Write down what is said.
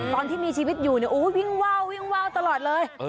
ตอนที่มีชีวิตอยู่เนี่ยวิ่งว่าววิ่งว่าวตลอดเลย